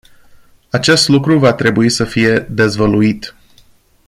Acest lucru va trebui să fie dezvăluit.